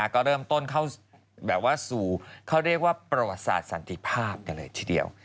ก็เริ่มต้นเข้าแบบว่าสู่เขาเรียกว่าประวัติศาสตร์สันติภาพกันเลยทีเดียว